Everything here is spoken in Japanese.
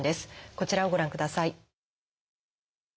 こちらをご覧ください。